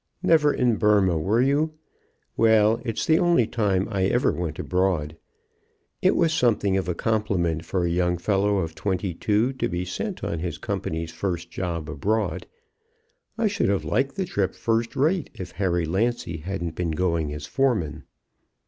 Never in Burma were you? Well, it's the only time I ever went abroad. It was something of a compliment for a young fellow of twenty two to be sent on his company's first job abroad. I should have liked the trip first rate if Harry Lancy hadn't been going as foreman.